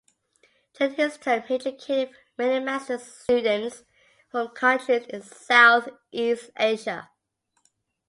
During his term he educated many Master students from countries in Southeast Asia.